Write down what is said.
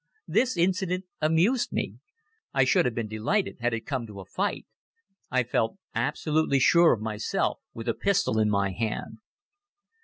This incident amused me. I should have been delighted had it come to a fight. I felt absolutely sure of myself with a pistol in my hand.